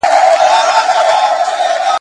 دا به څوک وي چي لا پايي دې بې بد رنګه دنیاګۍ کي !.